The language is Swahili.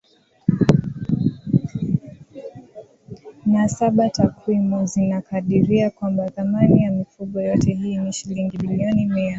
na saba Takwimu zinakadiria kwamba thamani ya mifugo yote hii ni shilingi bilioni Mia